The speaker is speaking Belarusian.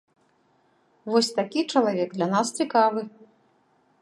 Вось такі чалавек для нас цікавы.